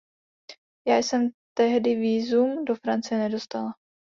Já jsem tehdy vízum do Francie nedostala.